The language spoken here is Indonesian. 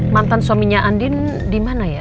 mantan suaminya andin di mana ya